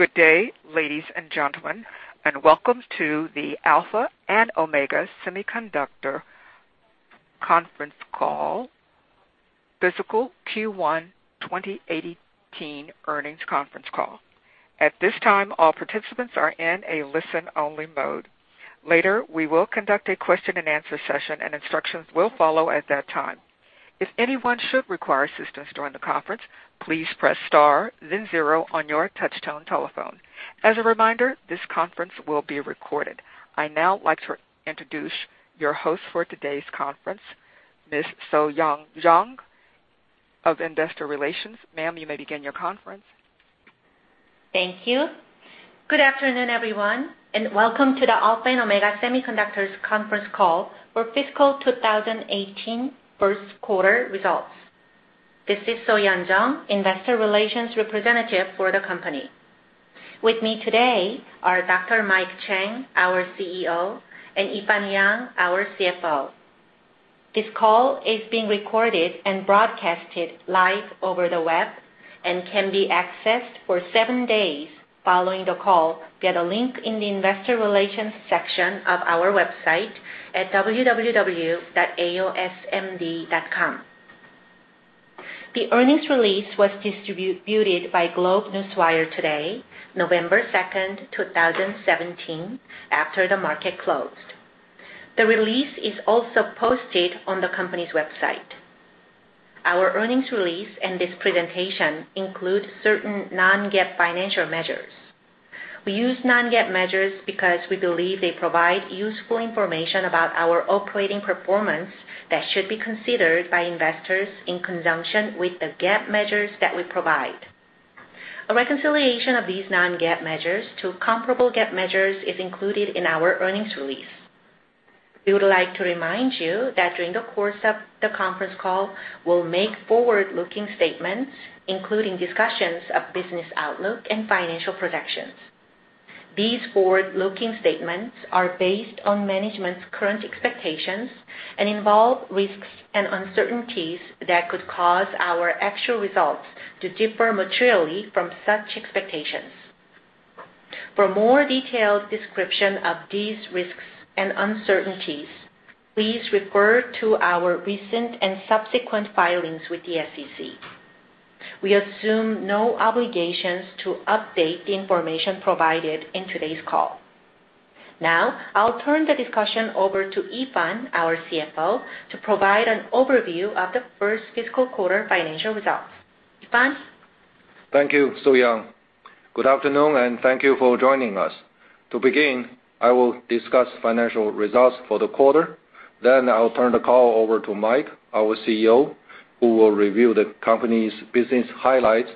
Good day, ladies and gentlemen, and welcome to the Alpha and Omega Semiconductor conference call, fiscal Q1 2018 earnings conference call. At this time, all participants are in a listen-only mode. Later, we will conduct a question and answer session, and instructions will follow at that time. If anyone should require assistance during the conference, please press star then zero on your touchtone telephone. As a reminder, this conference will be recorded. I'd now like to introduce your host for today's conference, Ms. So-Yeon Jeong of Investor Relations. Ma'am, you may begin your conference. Thank you. Good afternoon, everyone, and welcome to the Alpha and Omega Semiconductor conference call for fiscal 2018 first quarter results. This is So-Yeon Jeong, investor relations representative for the company. With me today are Dr. Mike Chang, our CEO, and Yifan Liang, our CFO. This call is being recorded and broadcasted live over the web and can be accessed for seven days following the call via the link in the investor relations section of our website at www.aosmd.com. The earnings release was distributed by GlobeNewswire today, November 2nd, 2017, after the market closed. The release is also posted on the company's website. Our earnings release and this presentation include certain non-GAAP financial measures. We use non-GAAP measures because we believe they provide useful information about our operating performance that should be considered by investors in conjunction with the GAAP measures that we provide. A reconciliation of these non-GAAP measures to comparable GAAP measures is included in our earnings release. We would like to remind you that during the course of the conference call, we'll make forward-looking statements, including discussions of business outlook and financial projections. These forward-looking statements are based on management's current expectations and involve risks and uncertainties that could cause our actual results to differ materially from such expectations. For more detailed description of these risks and uncertainties, please refer to our recent and subsequent filings with the SEC. We assume no obligations to update the information provided in today's call. Now, I'll turn the discussion over to Yifan, our CFO, to provide an overview of the first fiscal quarter financial results. Yifan? Thank you, So-Yeon. Good afternoon, and thank you for joining us. To begin, I will discuss financial results for the quarter, then I will turn the call over to Mike, our CEO, who will review the company's business highlights.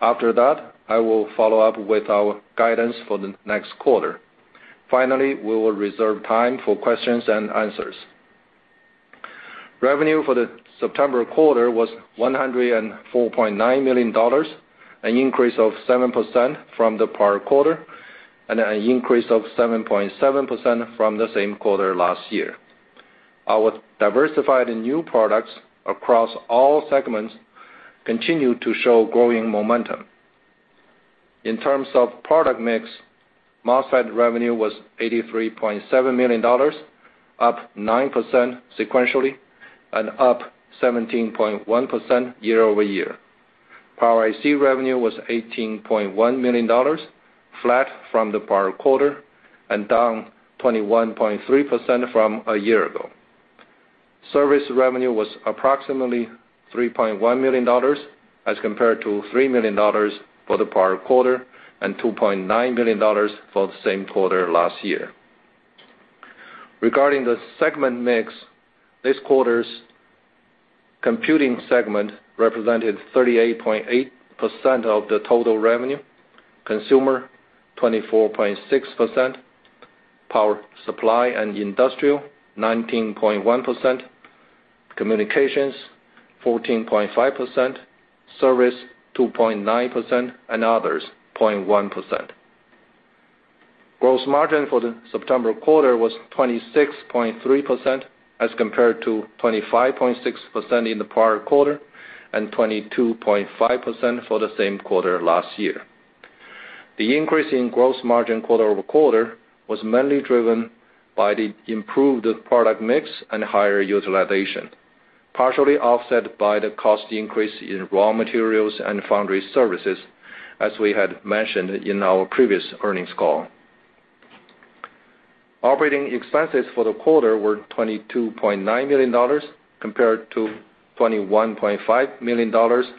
After that, I will follow up with our guidance for the next quarter. Finally, we will reserve time for questions and answers. Revenue for the September quarter was $104.9 million, an increase of 7% from the prior quarter, and an increase of 7.7% from the same quarter last year. Our diversified and new products across all segments continue to show growing momentum. In terms of product mix, MOSFET revenue was $83.7 million, up 9% sequentially and up 17.1% year-over-year. Power IC revenue was $18.1 million, flat from the prior quarter and down 21.3% from a year ago. Service revenue was approximately $3.1 million as compared to $3 million for the prior quarter and $2.9 million for the same quarter last year. Regarding the segment mix, this quarter's computing segment represented 38.8% of the total revenue, consumer 24.6%, power supply and industrial 19.1%, communications 14.5%, service 2.9%, and others 0.1%. Gross margin for the September quarter was 26.3% as compared to 25.6% in the prior quarter and 22.5% for the same quarter last year. The increase in gross margin quarter-over-quarter was mainly driven by the improved product mix and higher utilization, partially offset by the cost increase in raw materials and foundry services, as we had mentioned in our previous earnings call. Operating expenses for the quarter were $22.9 million compared to $21.5 million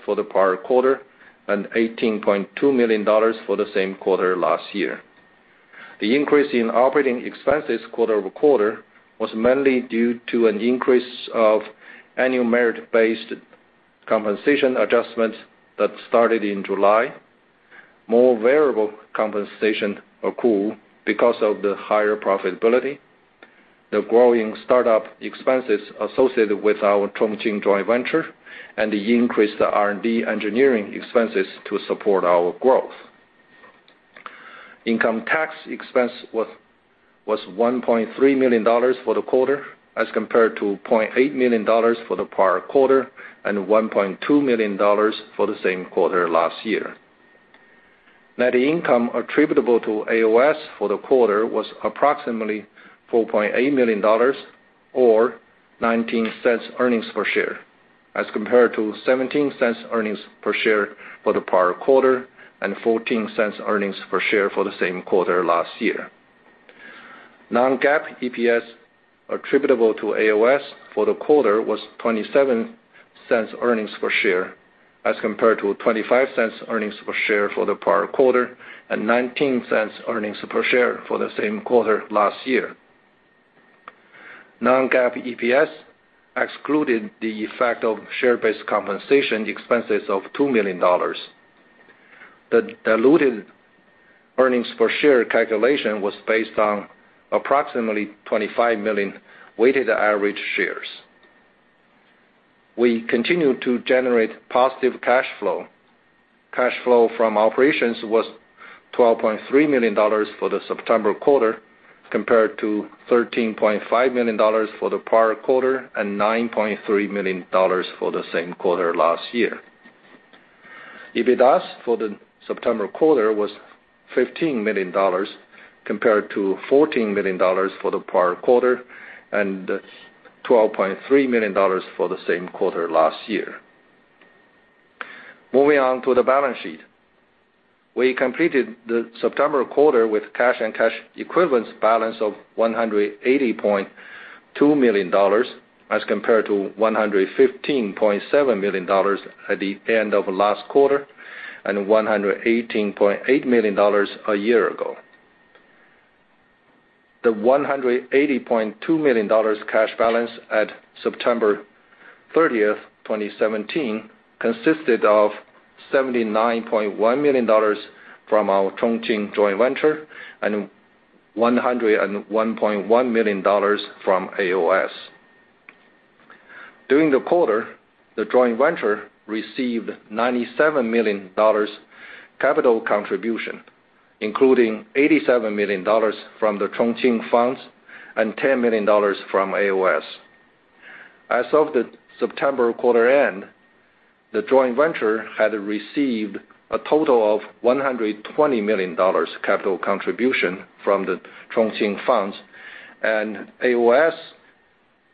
for the prior quarter and $18.2 million for the same quarter last year. The increase in operating expenses quarter-over-quarter was mainly due to an increase of annual merit-based compensation adjustments that started in July. More variable compensation accrue because of the higher profitability, the growing startup expenses associated with our Chongqing joint venture, and the increased R&D engineering expenses to support our growth. Income tax expense was $1.3 million for the quarter as compared to $0.8 million for the prior quarter and $1.2 million for the same quarter last year. Net income attributable to AOS for the quarter was approximately $4.8 million or $0.19 earnings per share as compared to $0.17 earnings per share for the prior quarter and $0.14 earnings per share for the same quarter last year. Non-GAAP EPS attributable to AOS for the quarter was $0.27 earnings per share as compared to $0.25 earnings per share for the prior quarter and $0.19 earnings per share for the same quarter last year. Non-GAAP EPS excluded the effect of share-based compensation expenses of $2 million. The diluted earnings per share calculation was based on approximately 25 million weighted average shares. We continue to generate positive cash flow. Cash flow from operations was $12.3 million for the September quarter compared to $13.5 million for the prior quarter and $9.3 million for the same quarter last year. EBITDA for the September quarter was $15 million compared to $14 million for the prior quarter and $12.3 million for the same quarter last year. Moving on to the balance sheet. We completed the September quarter with cash and cash equivalents balance of $180.2 million as compared to $115.7 million at the end of last quarter, and $118.8 million a year ago. The $180.2 million cash balance at September 30th, 2017, consisted of $79.1 million from our Chongqing joint venture and $101.1 million from AOS. During the quarter, the joint venture received $97 million capital contribution, including $87 million from the Chongqing funds and $10 million from AOS. As of the September quarter end, the joint venture had received a total of $120 million capital contribution from the Chongqing funds, and AOS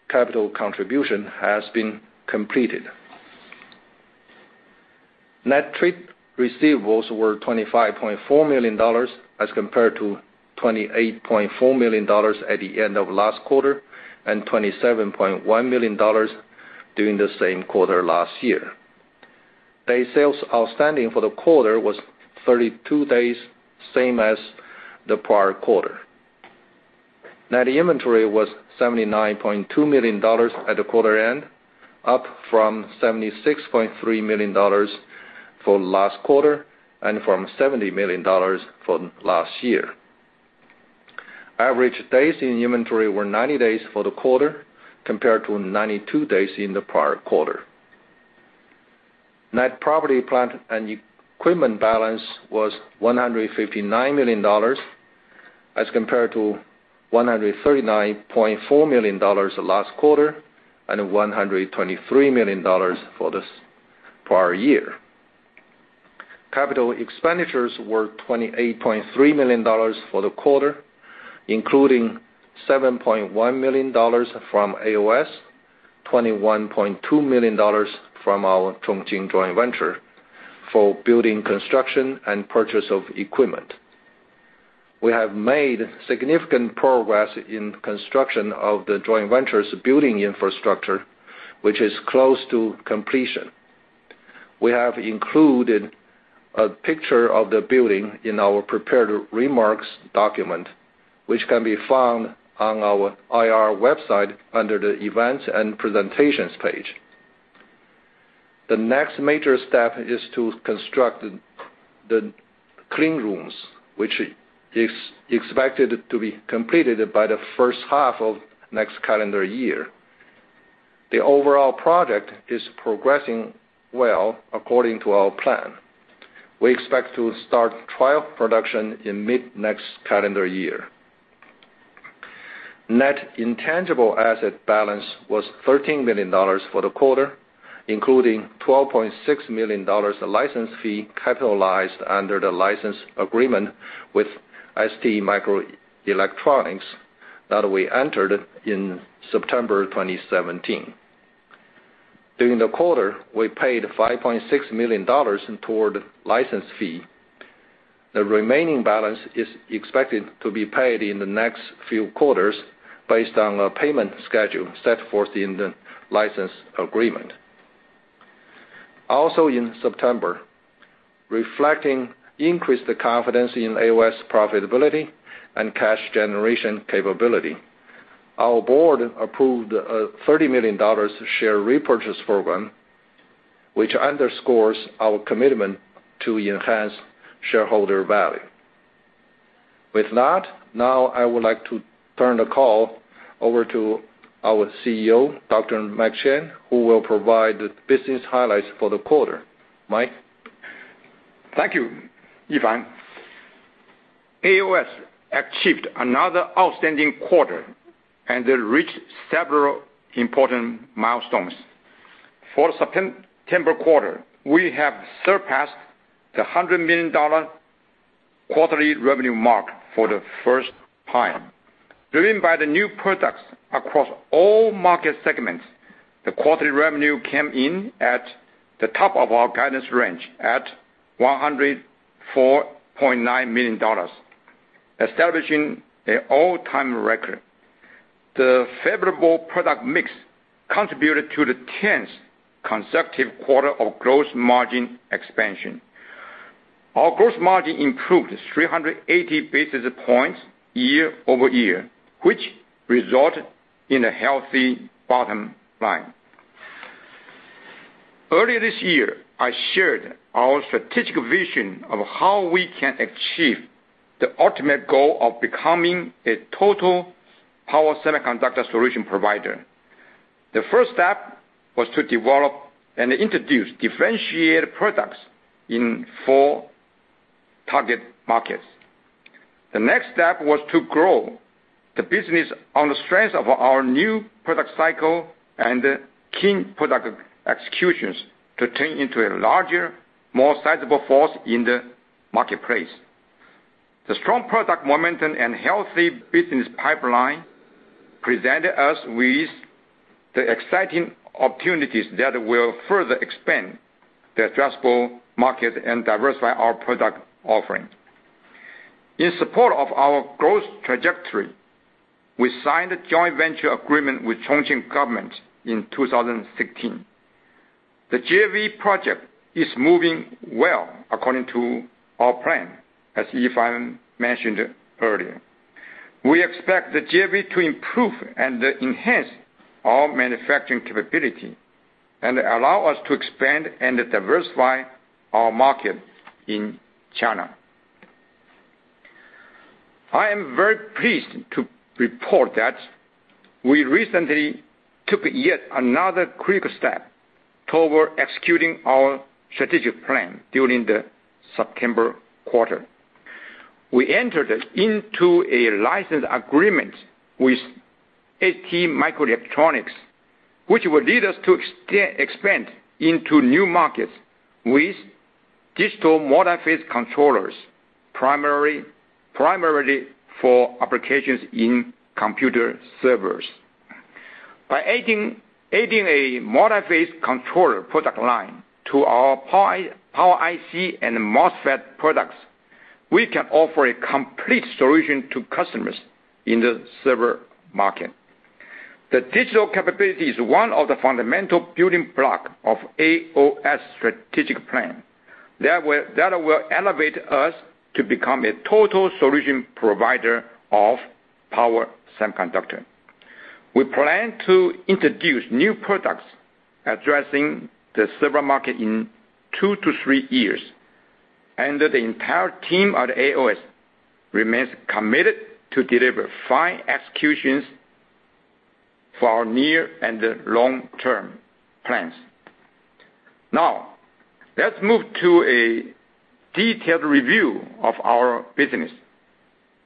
capital contribution has been completed. Net trade receivables were $25.4 million as compared to $28.4 million at the end of last quarter and $27.1 million during the same quarter last year. Day sales outstanding for the quarter was 32 days, same as the prior quarter. Net inventory was $79.2 million at the quarter end, up from $76.3 million for last quarter and from $70 million from last year. Average days in inventory were 90 days for the quarter, compared to 92 days in the prior quarter. Net property, plant, and equipment balance was $159 million as compared to $139.4 million last quarter and $123 million for this prior year. Capital expenditures were $28.3 million for the quarter, including $7.1 million from AOS, $21.2 million from our Chongqing joint venture for building construction and purchase of equipment. We have made significant progress in construction of the joint venture's building infrastructure, which is close to completion. We have included a picture of the building in our prepared remarks document, which can be found on our IR website under the Events and Presentations page. The next major step is to construct the clean rooms, which is expected to be completed by the first half of next calendar year. The overall project is progressing well according to our plan. We expect to start trial production in mid-next calendar year. Net intangible asset balance was $13 million for the quarter, including $12.6 million license fee capitalized under the license agreement with STMicroelectronics that we entered in September 2017. During the quarter, we paid $5.6 million toward license fee. The remaining balance is expected to be paid in the next few quarters based on a payment schedule set forth in the license agreement. Also in September, reflecting increased confidence in AOS profitability and cash generation capability, our board approved a $30 million share repurchase program, which underscores our commitment to enhance shareholder value. With that, now I would like to turn the call over to our CEO, Dr. Mike Chang, who will provide the business highlights for the quarter. Mike? Thank you, Yifan. AOS achieved another outstanding quarter. It reached several important milestones. For the September quarter, we have surpassed the $100 million quarterly revenue mark for the first time. Driven by the new products across all market segments, the quarterly revenue came in at the top of our guidance range at $104.9 million, establishing an all-time record. The favorable product mix contributed to the 10th consecutive quarter of gross margin expansion. Our gross margin improved 380 basis points year-over-year, which resulted in a healthy bottom line. Earlier this year, I shared our strategic vision of how we can achieve the ultimate goal of becoming a total power semiconductor solution provider. The first step was to develop and introduce differentiated products in four target markets. The next step was to grow the business on the strength of our new product cycle and key product executions to turn into a larger, more sizable force in the marketplace. The strong product momentum and healthy business pipeline presented us with the exciting opportunities that will further expand the addressable market and diversify our product offering. In support of our growth trajectory, we signed a joint venture agreement with Chongqing government in 2016. The JV project is moving well according to our plan, as Yifan mentioned earlier. We expect the JV to improve and enhance our manufacturing capability and allow us to expand and diversify our market in China. I am very pleased to report that we recently took yet another critical step toward executing our strategic plan during the September quarter. We entered into a license agreement with STMicroelectronics, which will lead us to expand into new markets with digital motor phase controllers, primarily for applications in computer servers. By adding a motor phase controller product line to our Power IC and MOSFET products, we can offer a complete solution to customers in the server market. The digital capability is one of the fundamental building blocks of AOS strategic plan. That will elevate us to become a total solution provider of power semiconductor. We plan to introduce new products addressing the server market in two to three years, and the entire team at AOS remains committed to deliver fine executions for our near and long-term plans. Now, let's move to a detailed review of our business.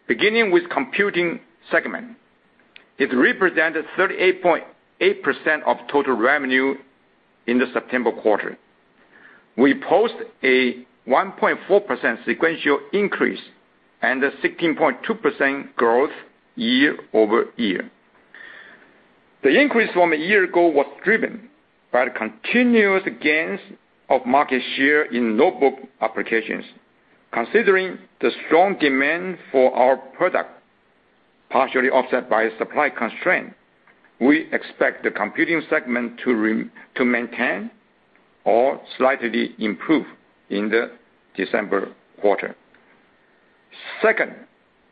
Beginning with computing segment. It represented 38.8% of total revenue in the September quarter. We post a 1.4% sequential increase and a 16.2% growth year-over-year. The increase from a year ago was driven by the continuous gains of market share in notebook applications. Considering the strong demand for our product, partially offset by supply constraint, we expect the computing segment to maintain or slightly improve in the December quarter. Second,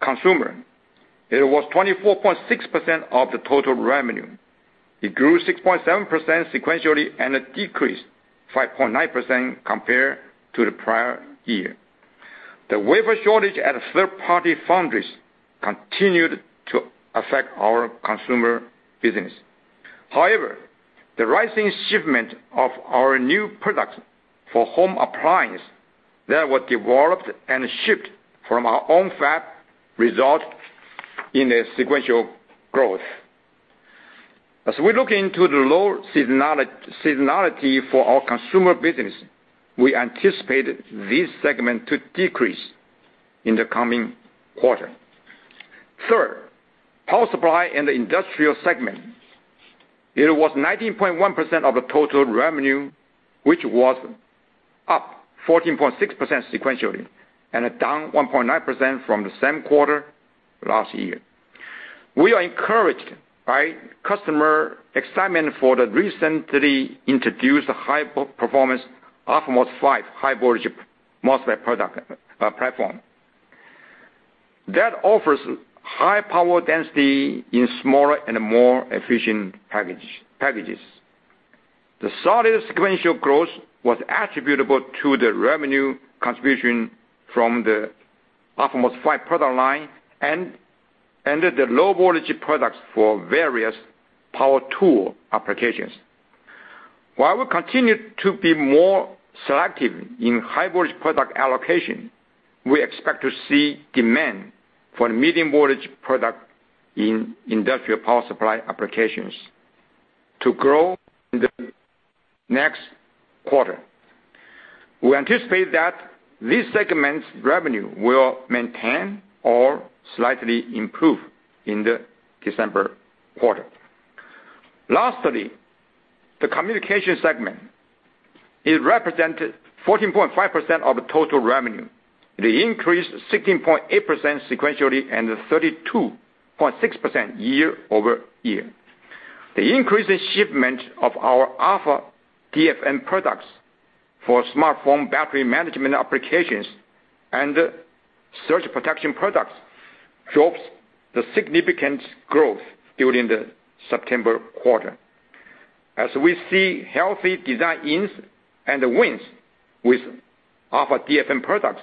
consumer. It was 24.6% of the total revenue. It grew 6.7% sequentially and it decreased 5.9% compared to the prior year. The wafer shortage at third-party foundries continued to affect our consumer business. However, the rising shipment of our new product for home appliance that were developed and shipped from our own fab result in a sequential growth. As we look into the low seasonality for our consumer business, we anticipate this segment to decrease in the coming quarter. Third, power supply in the industrial segment. It was 19.1% of the total revenue, which was up 14.6% sequentially and down 1.9% from the same quarter last year. We are encouraged by customer excitement for the recently introduced high performance AlphaSGT 5 high voltage MOSFET product platform. That offers high power density in smaller and more efficient packages. The solid sequential growth was attributable to the revenue contribution from the AlphaSGT 5 product line and the low voltage products for various power tool applications. While we continue to be more selective in high voltage product allocation, we expect to see demand for the medium voltage product in industrial power supply applications to grow in the next quarter. We anticipate that this segment's revenue will maintain or slightly improve in the December quarter. Lastly, the communication segment. It represented 14.5% of total revenue. It increased 16.8% sequentially and 32.6% year-over-year. The increase in shipment of our AlphaDFN products for smartphone battery management applications and surge protection products drove the significant growth during the September quarter. As we see healthy design-ins and wins with AlphaDFN products,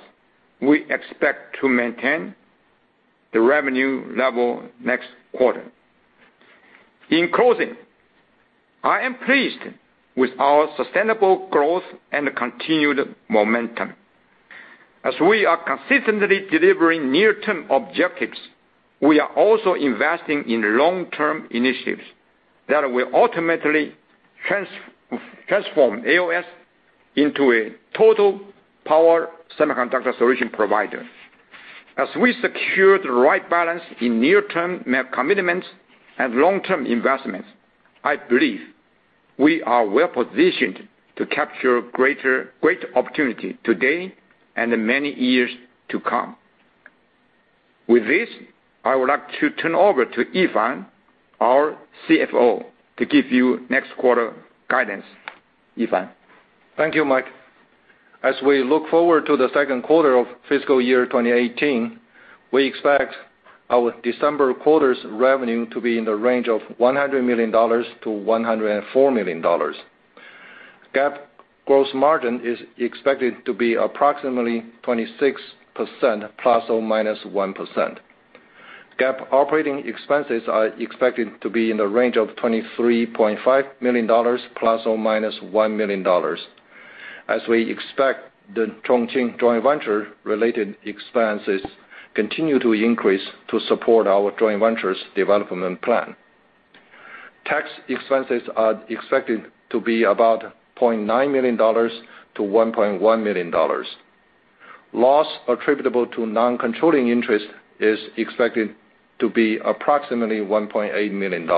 we expect to maintain the revenue level next quarter. In closing, I am pleased with our sustainable growth and continued momentum. As we are consistently delivering near-term objectives, we are also investing in long-term initiatives that will ultimately transform AOS into a total power semiconductor solution provider. As we secure the right balance in near-term commitments and long-term investments, I believe we are well-positioned to capture great opportunity today and in many years to come. With this, I would like to turn over to Yifan, our CFO, to give you next quarter guidance. Yifan. Thank you, Mike. As we look forward to the second quarter of fiscal year 2018, we expect our December quarter's revenue to be in the range of $100 million-$104 million. GAAP gross margin is expected to be approximately 26% ± 1%. GAAP operating expenses are expected to be in the range of $23.5 million ± $1 million, as we expect the Chongqing joint venture-related expenses continue to increase to support our joint venture's development plan. Tax expenses are expected to be about $0.9 million-$1.1 million. Loss attributable to non-controlling interest is expected to be approximately $1.8 million.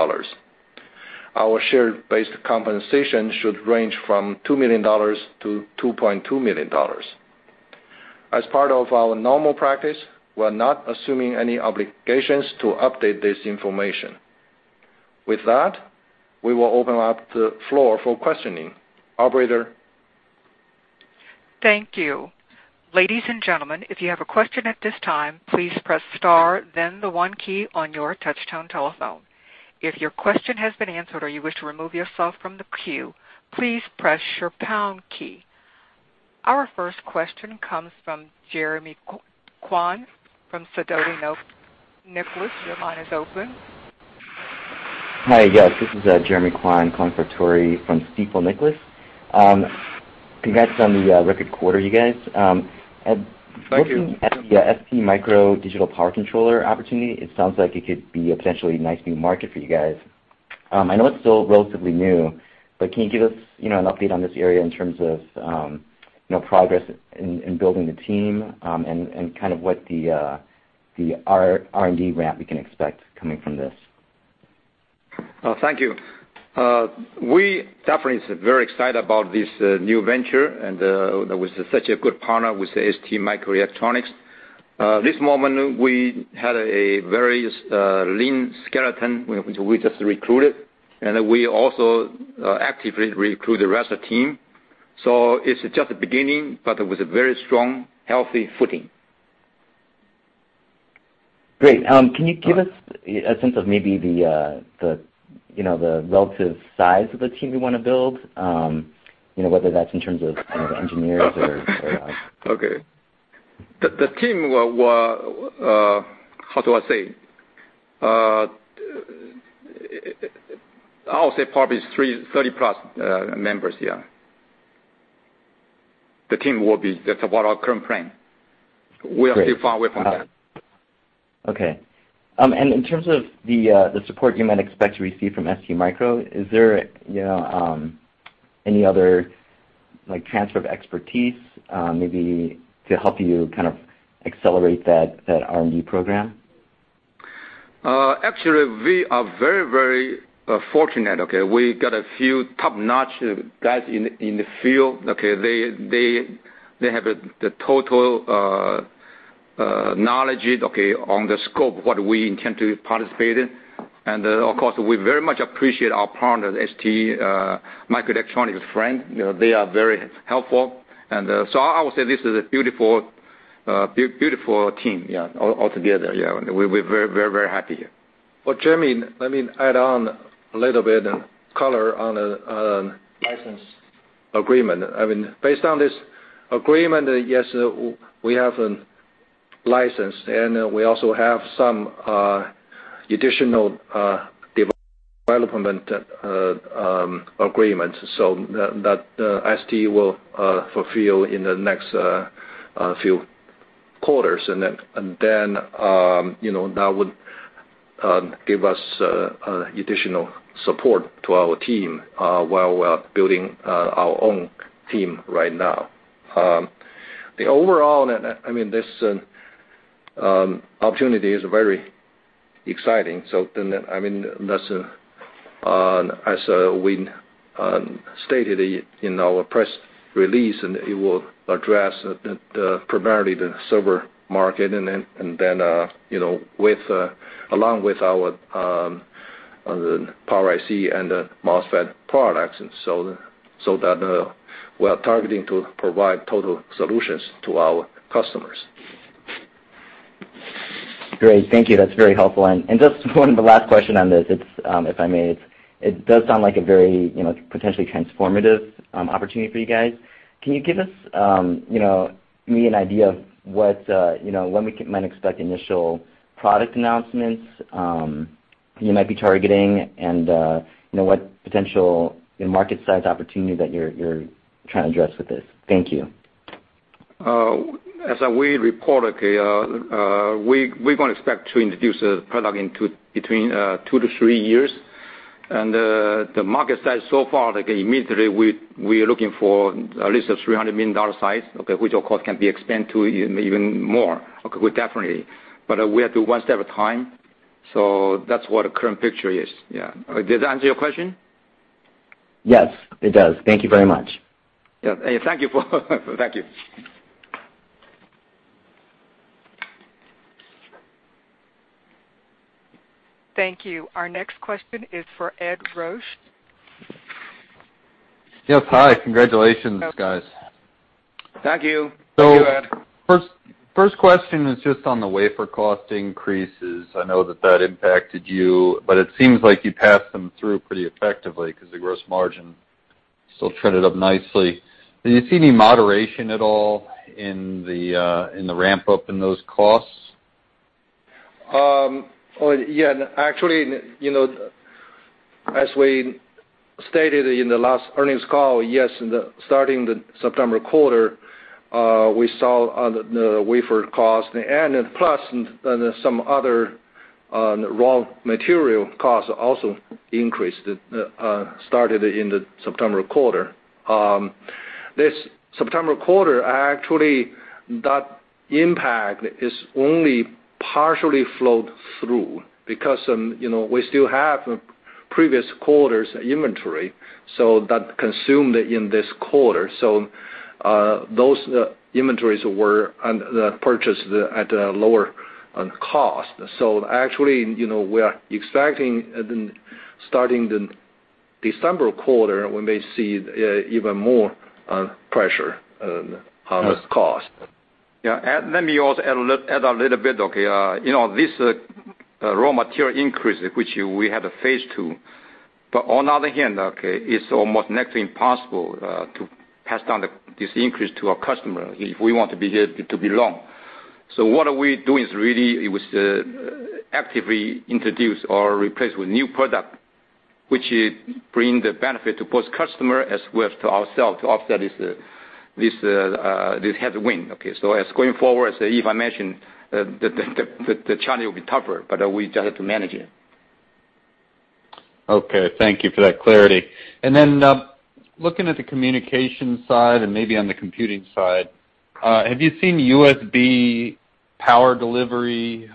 Our share-based compensation should range from $2 million-$2.2 million. As part of our normal practice, we're not assuming any obligations to update this information. With that, we will open up the floor for questioning. Operator? Thank you. Ladies and gentlemen, if you have a question at this time, please press star then the one key on your touch tone telephone. If your question has been answered or you wish to remove yourself from the queue, please press your pound key. Our first question comes from Jeremy Kwan from Stifel Nicolaus. Your line is open. Hi. Yes, this is Jeremy Kwan, calling for Tori from Stifel Nicolaus. Congrats on the record quarter, you guys. Thank you. Looking at the STMicro digital power controller opportunity, it sounds like it could be a potentially nice new market for you guys. I know it's still relatively new, but can you give us an update on this area in terms of progress in building the team, and what the R&D ramp we can expect coming from this? Thank you. We definitely is very excited about this new venture, and that was such a good partner with STMicroelectronics. This moment, we had a very lean skeleton, which we just recruited, and we also actively recruit the rest of the team. It's just the beginning, but with a very strong, healthy footing. Great. Can you give us a sense of maybe the relative size of the team you want to build? Whether that's in terms of the engineers or Okay. The team, how do I say? I'll say probably 30 plus members, yeah. The team will be, that's about our current plan. Great. We are still far away from that. Okay. In terms of the support you might expect to receive from STMicro, is there any other transfer of expertise, maybe to help you accelerate that R&D program? Actually, we are very fortunate, okay? We got a few top-notch guys in the field, okay? They have the total knowledge, okay, on the scope of what we intend to participate in. Of course, we very much appreciate our partner, STMicroelectronics friend. They are very helpful. I would say this is a beautiful team, altogether. We're very happy. Well, Jeremy, let me add on a little bit of color on the license agreement. Based on this agreement, yes, we have a license, and we also have some additional development agreements that ST will fulfill in the next few quarters. That would give us additional support to our team while we are building our own team right now. The overall, this opportunity is very exciting. As we stated in our press release, it will address primarily the server market, along with our Power IC and the MOSFET products, so that we are targeting to provide total solutions to our customers. Great. Thank you. That's very helpful. Just one of the last question on this, if I may. It does sound like a very potentially transformative opportunity for you guys. Can you give me an idea of when we might expect initial product announcements you might be targeting? What potential market size opportunity that you're trying to address with this? Thank you. As we reported, we're going to expect to introduce a product between two to three years. The market size so far, immediately, we are looking for at least a $300 million size, which of course can be expanded to even more, definitely. We have to do one step at a time. That's what the current picture is, yeah. Does that answer your question? Yes, it does. Thank you very much. Yeah, thank you. Thank you. Thank you. Our next question is for Ed Roach. Yes. Hi. Congratulations, guys. Thank you. Thank you, Ed. First question is just on the wafer cost increases. I know that that impacted you, but it seems like you passed them through pretty effectively because the gross margin still trended up nicely. Do you see any moderation at all in the ramp-up in those costs? As we stated in the last earnings call, yes, starting the September quarter, we saw the wafer cost and plus some other raw material costs also increased. It started in the September quarter. This September quarter, actually, that impact is only partially flowed through because we still have previous quarter's inventory that consumed in this quarter. Those inventories were purchased at a lower cost. We are expecting, starting the December quarter, we may see even more pressure on this cost. Let me also add a little bit. This raw material increase, which we have a phase 2, but on the other hand, it's almost next to impossible to pass down this increase to our customer if we want to be long. What are we doing is really, it was actively introduce or replace with new product, which bring the benefit to both customer as well as to ourselves to offset this headwind. As going forward, as Yifan mentioned, the challenge will be tougher, but we just have to manage it. Okay. Thank you for that clarity. Looking at the communication side and maybe on the computing side, have you seen USB Power Delivery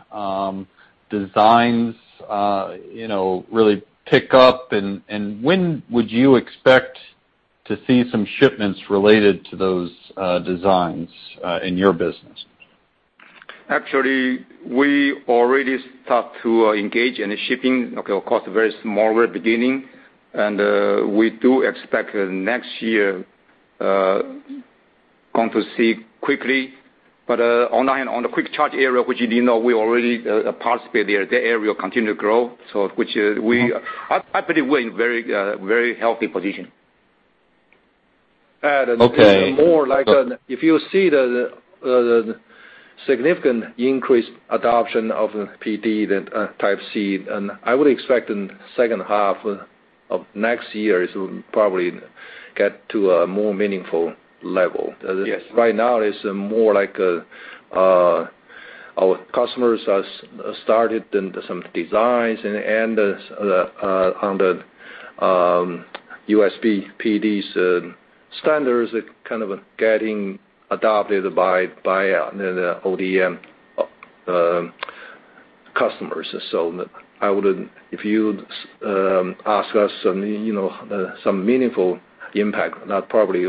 designs really pick up, and when would you expect to see some shipments related to those designs in your business? Actually, we already start to engage in shipping. Of course, very small at the beginning. We do expect next year, going to see quickly. On the Quick Charge area, which you do know we already participate there, that area will continue to grow. I believe we're in a very healthy position. Add more like if you see the significant increased adoption of PD, the USB Type-C, I would expect in the second half of next year is probably get to a more meaningful level. Yes. Right now, it's more like our customers has started some designs and on the USB PD standards are kind of getting adopted by the ODM customers. So if you ask us some meaningful impact, now probably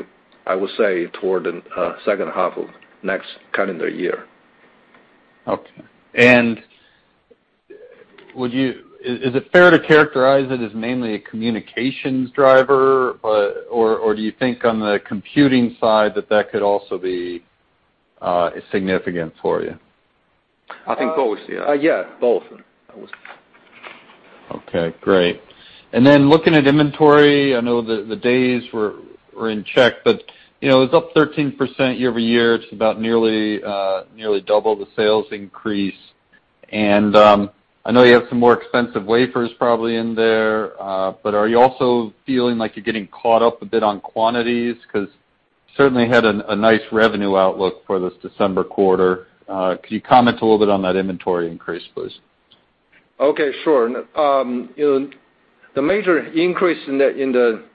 I would say toward the second half of next calendar year. Okay. Is it fair to characterize it as mainly a communications driver, or do you think on the computing side that that could also be significant for you? I think both. Yeah, both. Okay, great. Looking at inventory, I know that the days were in check, but it's up 13% year-over-year. It's about nearly double the sales increase. I know you have some more expensive wafers probably in there, but are you also feeling like you're getting caught up a bit on quantities? Because certainly had a nice revenue outlook for this December quarter. Could you comment a little bit on that inventory increase, please? Okay, sure. The major increase in the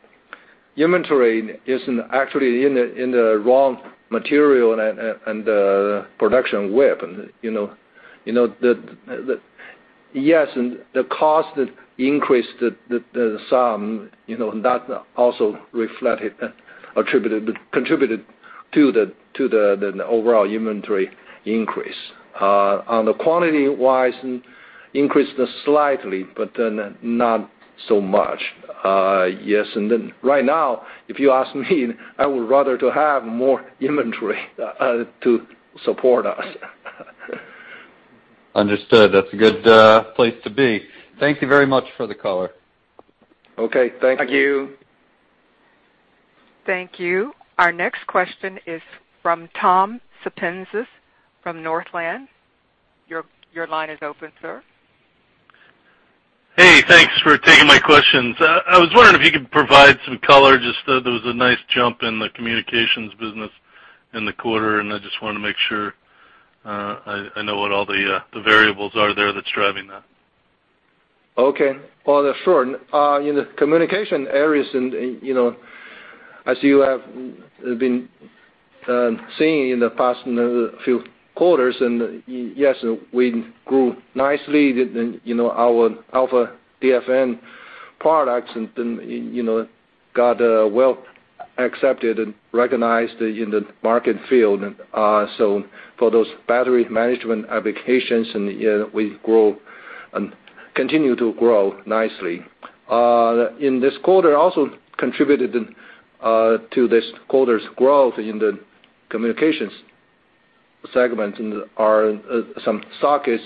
inventory isn't actually in the raw material and the production WIP. The cost increased the sum, and that also contributed to the overall inventory increase. On the quantity wise, increased slightly, but not so much. Yes. Right now, if you ask me, I would rather to have more inventory to support us. Understood. That's a good place to be. Thank you very much for the color. Okay. Thank you. Thank you. Thank you. Our next question is from Tom Sepenzis from Northland. Your line is open, sir. Hey, thanks for taking my questions. I was wondering if you could provide some color, just there was a nice jump in the communications business in the quarter, and I just want to make sure I know what all the variables are there that's driving that. Okay. Well, sure. In the communication areas, as you have been seeing in the past few quarters, yes, we grew nicely. Our AlphaDFN products got well accepted and recognized in the market field. For those battery management applications, we continue to grow nicely. In this quarter, also contributed to this quarter's growth in the communications segment are some sockets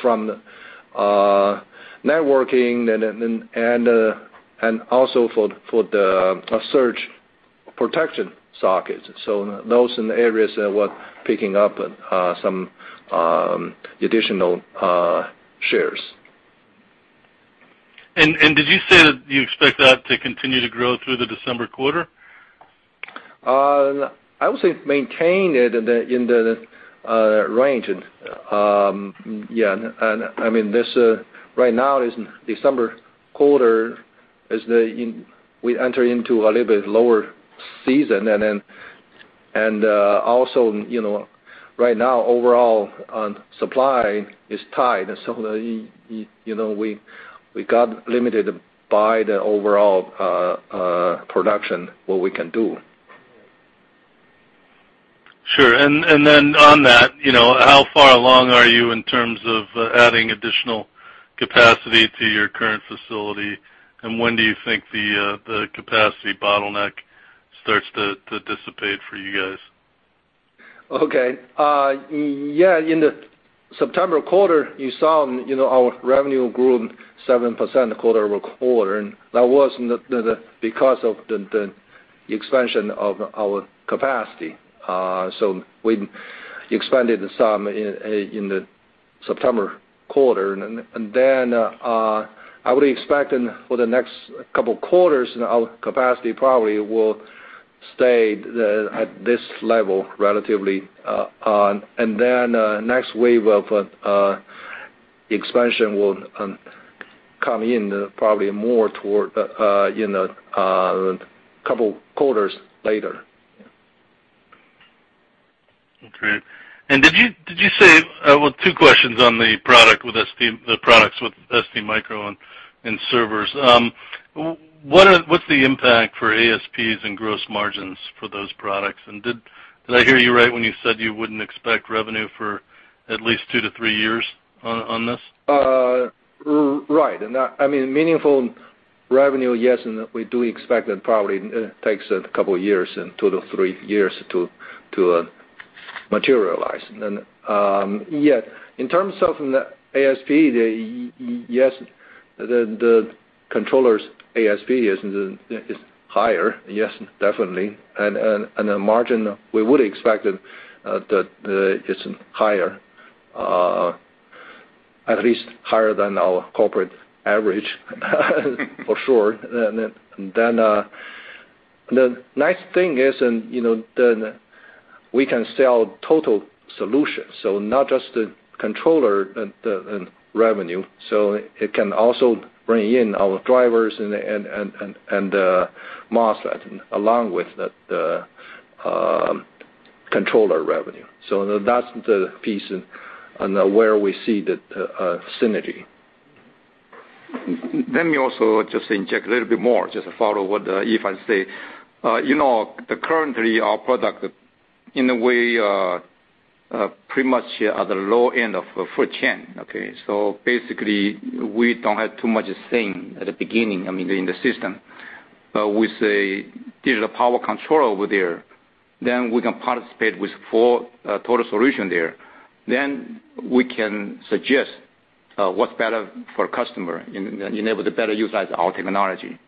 from networking and also for the surge protection sockets. Those are the areas that were picking up some additional shares. Did you say that you expect that to continue to grow through the December quarter? I would say maintain it in the range. I mean, right now is December quarter, as we enter into a little bit lower season. Right now, overall supply is tight, we got limited by the overall production, what we can do. Sure. On that, how far along are you in terms of adding additional capacity to your current facility, when do you think the capacity bottleneck starts to dissipate for you guys? Okay. Yeah, in the September quarter, you saw our revenue grew 7% quarter-over-quarter, that was because of the expansion of our capacity. We expanded some in the September quarter. I would expect for the next couple of quarters, our capacity probably will stay at this level, relatively. Next wave of expansion will come in probably more toward couple quarters later. Okay. Well, two questions on the products with STMicro and servers. What's the impact for ASPs and gross margins for those products? Did I hear you right when you said you wouldn't expect revenue for at least two to three years on this? Right. I mean, meaningful revenue, yes, we do expect it probably takes a couple of years, two to three years to materialize. Yes. In terms of the ASP, yes, the controller's ASP is higher. Yes, definitely. The margin, we would expect that it's higher, at least higher than our corporate average, for sure. The nice thing is, we can sell total solutions, not just the controller revenue. It can also bring in our drivers and the MOSFET along with the controller revenue. That's the piece on where we see the synergy. Let me also just inject a little bit more, just to follow what Yifan said. Currently, our product, in a way, pretty much at the low end of the food chain, okay? Basically, we don't have too much say at the beginning, I mean, in the system. We say, "Here's a power controller over there," we can participate with full total solution there. We can suggest what's better for customer, and enable to better utilize our technology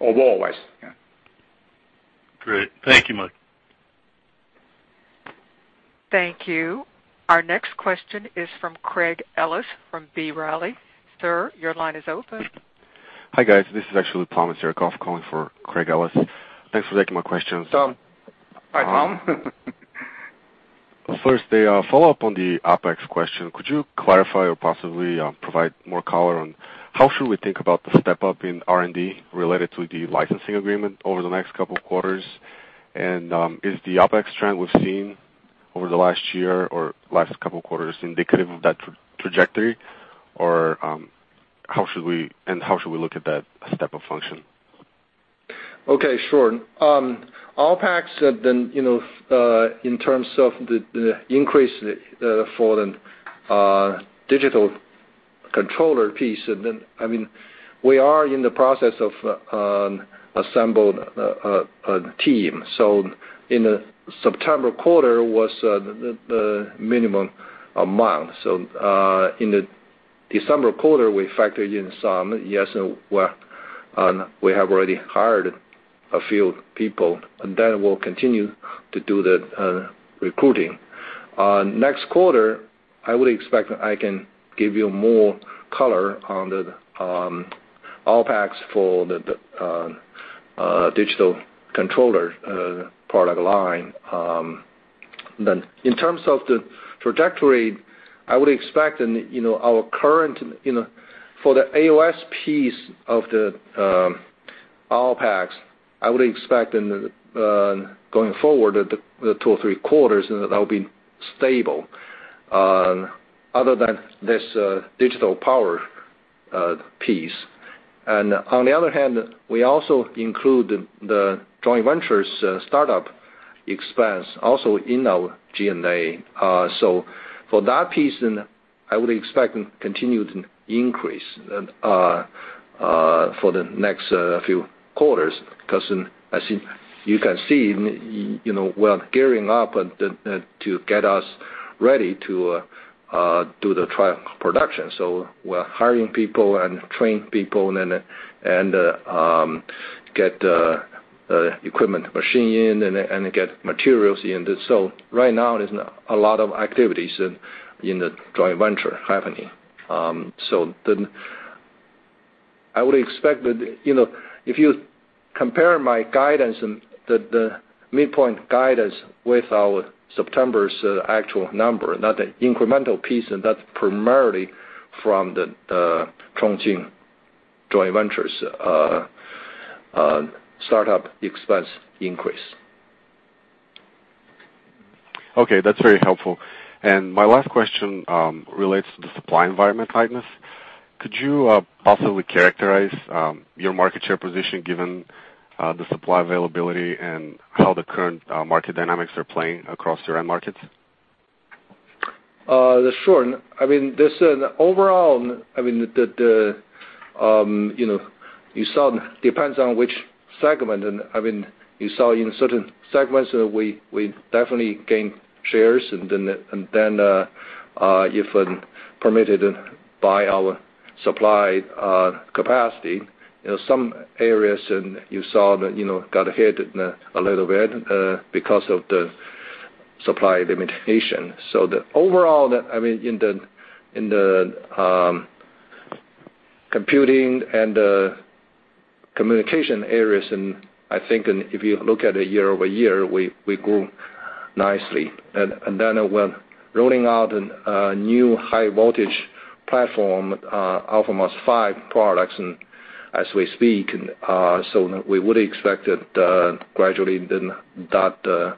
always. Yeah. Great. Thank you, Mike. Thank you. Our next question is from Craig Ellis from B. Riley. Sir, your line is open. Hi, guys. This is actually Tom Zerekov calling for Craig Ellis. Thanks for taking my questions. Tom. Hi, Tom. First, a follow-up on the OpEx question. Could you clarify or possibly provide more color on how should we think about the step-up in R&D related to the licensing agreement over the next couple of quarters? Is the OpEx trend we've seen over the last year or last couple of quarters indicative of that trajectory? How should we look at that step-up function? Okay, sure. OpEx had been, in terms of the increase for the digital controller piece, and then we are in the process of assembling a team. In the September quarter was the minimum amount. In the December quarter, we factored in some. We have already hired a few people, and then we'll continue to do the recruiting. Next quarter, I would expect I can give you more color on the OpEx for the digital controller product line. In terms of the trajectory, for the AOS piece of the OpEx, I would expect in going forward, the two or three quarters, that that'll be stable, other than this digital power piece. On the other hand, we also include the joint venture's startup expense also in our G&A. For that piece, I would expect continued increase for the next few quarters, because as you can see, we are gearing up to get us ready to do the trial production. We're hiring people and training people and get equipment, machine in, and get materials in. Right now, there's a lot of activities in the joint venture happening. I would expect that if you compare my guidance and the midpoint guidance with our September's actual number, not the incremental piece, that's primarily from the Chongqing joint venture's startup expense increase. Okay, that's very helpful. My last question relates to the supply environment tightness. Could you possibly characterize your market share position given the supply availability and how the current market dynamics are playing across your end markets? Sure. Overall, you saw depends on which segment. You saw in certain segments that we definitely gained shares, and if permitted by our supply capacity, some areas you saw that got hit a little bit because of the supply limitation. Overall, in the computing and communication areas, I think if you look at it year-over-year, we grew nicely. We're rolling out a new high-voltage platform, Alpha and Omega five products, as we speak. We would expect that gradually that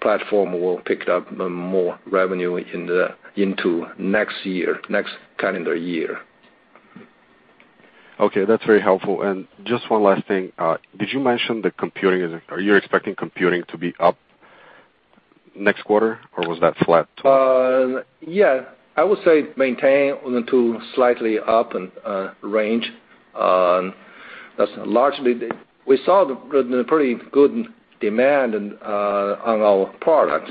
platform will pick up more revenue into next calendar year. Okay, that's very helpful. Just one last thing. Did you mention the computing? Are you expecting computing to be up next quarter, or was that flat too? Yeah. I would say maintain to slightly up range. We saw the pretty good demand on our products.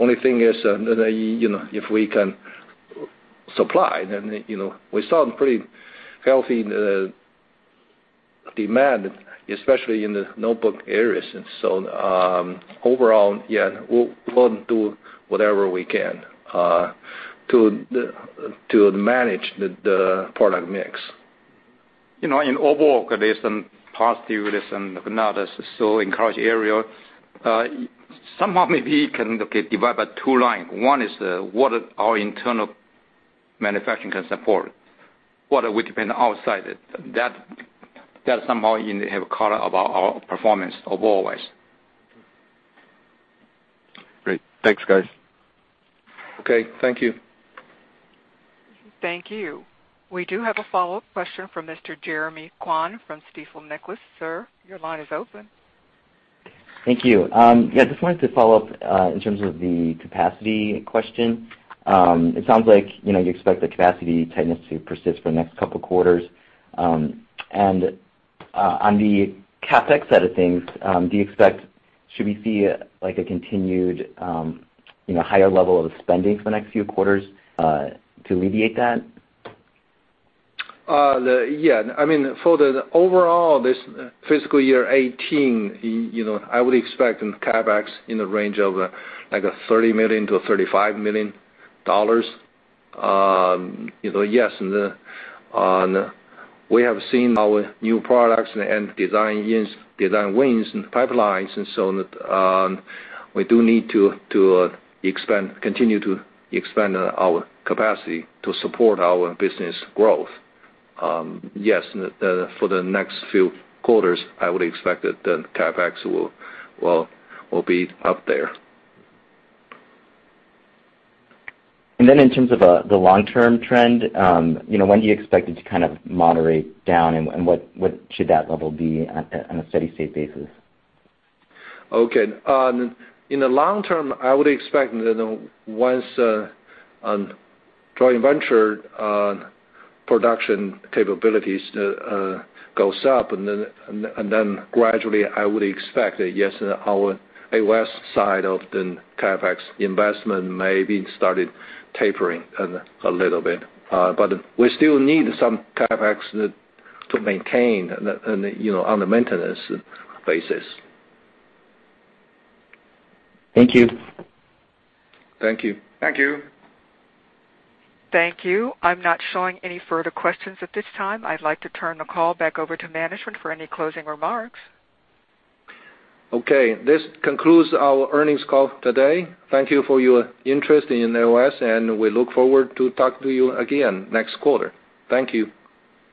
Only thing is if we can supply. We saw pretty healthy demand, especially in the notebook areas. Overall, we'll do whatever we can to manage the product mix. Overall, there is some positivity, there's some not as so encouraged area. Somehow, maybe we can divide by two line. One is what our internal manufacturing can support, what we depend outside it. That somehow you have color about our performance always. Great. Thanks, guys. Okay. Thank you. Thank you. We do have a follow-up question from Mr. Jeremy Kwan from Stifel Nicolaus. Sir, your line is open. Thank you. Yeah, just wanted to follow up in terms of the capacity question. It sounds like you expect the capacity tightness to persist for the next couple quarters. On the CapEx side of things, should we see a continued higher level of spending for the next few quarters to alleviate that? Yeah. For the overall, this fiscal year 2018, I would expect CapEx in the range of $30 million-$35 million. Yes. We have seen our new products and design wins in the pipelines, so we do need to continue to expand our capacity to support our business growth. Yes, for the next few quarters, I would expect that the CapEx will be up there. In terms of the long-term trend, when do you expect it to moderate down, and what should that level be on a steady-state basis? Okay. In the long term, I would expect that once joint venture production capabilities goes up, gradually I would expect that, yes, our West side of the CapEx investment may be started tapering a little bit. We still need some CapEx to maintain on the maintenance basis. Thank you. Thank you. Thank you. Thank you. I'm not showing any further questions at this time. I'd like to turn the call back over to management for any closing remarks. Okay. This concludes our earnings call today. Thank you for your interest in AOS, and we look forward to talk to you again next quarter. Thank you.